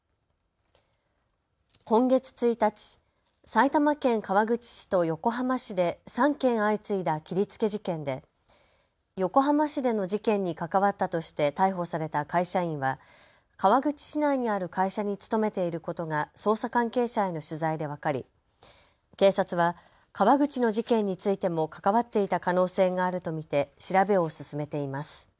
今月１日、埼玉県川口市と横浜市で３件相次いだ切りつけ事件で横浜市での事件に関わったとして逮捕された会社員は川口市内にある会社に勤めていることが捜査関係者への取材で分かり警察は川口の事件についても関わっていた可能性があると見て調べを進めています。